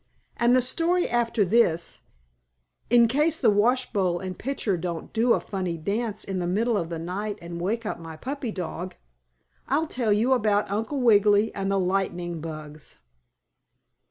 And the story after this, in case the washbowl and pitcher don't do a funny dance in the middle of the night and wake up my puppy dog, I'll tell you about Uncle Wiggily and the lightning bugs.